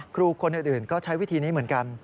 ครูคนอื่นก็ใช้วิธีนี้เหมือนกัน